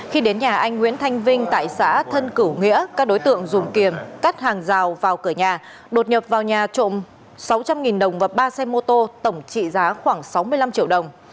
khi đến nhà anh nguyễn thanh vinh tại xã thân cửu nghĩa các đối tượng dùng kiềm cắt hàng rào vào cửa nhà đột nhập vào nhà trộm sáu trăm linh đồng và ba xe mô tô tổng trị giá khoảng sáu mươi năm triệu đồng